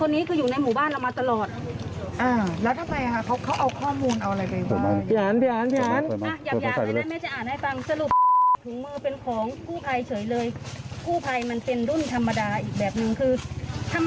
นี่ถูกเหมือนกับสิทธิ์ของชาวบ้านเรามันเป็นภาพครอบครัวของเรา